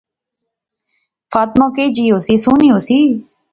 فاطمہ کئی جئی ہوسی؟ سوہنی ہوسی